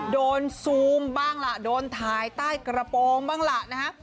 ซูมบ้างล่ะโดนถ่ายใต้กระโปรงบ้างล่ะนะฮะ